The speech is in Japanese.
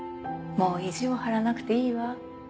もう意地を張らなくていいわ。